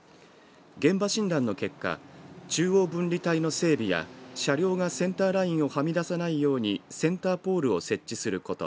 現場診断の結果中央分離帯の整備や車両がセンターラインをはみ出さないようにセンターポールを設置すること。